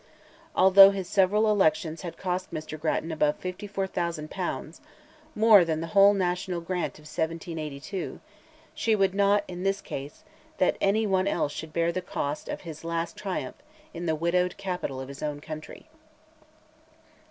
Although his several elections had cost Mr. Grattan above 54,000 pounds—more than the whole national grant of 1782—she would not, in this case, that any one else should bear the cost of his last triumph in the widowed capital of his own country.